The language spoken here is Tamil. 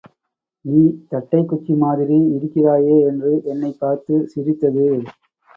நீ தட்டைக் குச்சிமாதிரி இருக்கிறாயே என்று என்னைப் பார்த்து சிரித்தது.